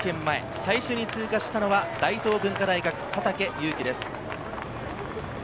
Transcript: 最初に通過したのは大東文化大学・佐竹勇樹です。